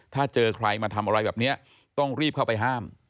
ถ้าเจอใครมาทำอะไรแบบนี้ต้องรีบเข้าไปห้าม